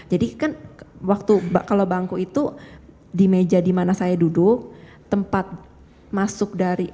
jadi kan waktu kalau bangku itu di meja dimana saya duduk tempat masuk dari